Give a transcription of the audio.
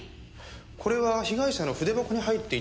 これは被害者の筆箱に入っていたものです。